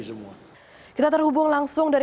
kementerian dalam negeri